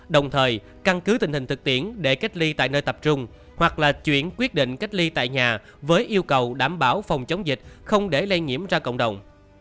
đồng thời căn cứ tình hình thực tiễn để cách ly tại nơi tập trung hoặc là chuyển quyết định cách ly tại nhà với yêu cầu đảm bảo phòng chống dịch không để lây nhiễm ra cộng đồng